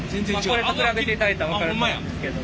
これと比べていただいたら分かると思うんですけど。